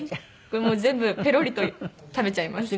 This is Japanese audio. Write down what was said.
これもう全部ペロリと食べちゃいます。